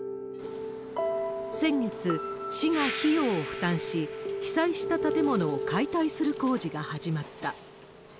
先月、市が費用を負担し、被災した建物を解体する工事が始まった。